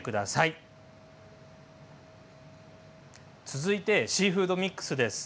続いてシーフードミックスです。